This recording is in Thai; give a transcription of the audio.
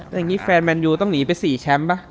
แต่งี้แฟนมันยูต้องหนีไปสี่แชมปะ